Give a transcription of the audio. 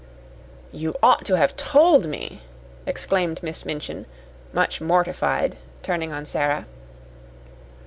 "You ought to have told me," exclaimed Miss Minchin, much mortified, turning to Sara.